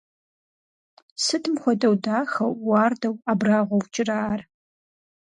Сытым хуэдэу дахэу, уардэу, абрагъуэу кӀырэ ар!